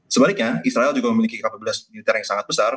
sebaliknya israel juga memiliki kapabilitas militer yang sangat besar